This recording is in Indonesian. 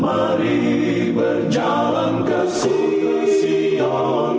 mari berjalan ke sion